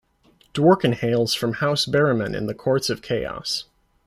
Dworkin hails from House Barimen in the Courts of Chaos.